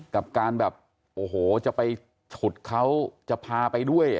กับการแบบโอ้โหจะไปฉุดเขาจะพาไปด้วย